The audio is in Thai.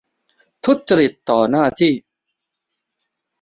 ทุจริตต่อหน้าที่